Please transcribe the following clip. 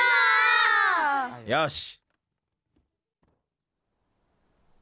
よし。